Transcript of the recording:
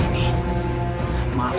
ya tidak apa apa